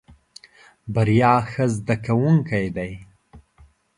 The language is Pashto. بريا ښه زده کوونکی دی.